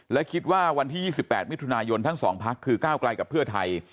และคิดว่าวันที่๒๘มิถุนายนทั้ง๒พักคือก้าวไกลกับเพื่อไทย